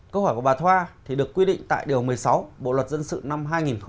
câu hỏi của bà thoa được quy định tại điều một mươi sáu bộ luật dân sự năm hai nghìn một mươi năm